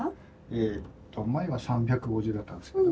えっと前は３５０だったんですけど。